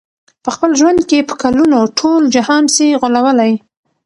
په خپل ژوند کي په کلونو، ټول جهان سې غولولای